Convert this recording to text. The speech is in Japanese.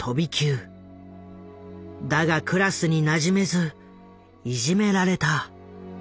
だがクラスになじめずいじめられた。